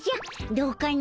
どうかの？